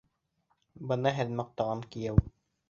Бына һеҙ маҡтаған кейәү!